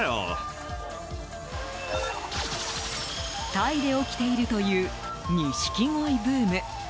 タイで起きているというニシキゴイブーム。